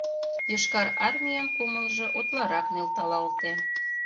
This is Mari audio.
Йошкар Армийын кумылжо утларак нӧлталалте.